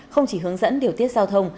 không chỉ hướng dẫn điều tiết giao thông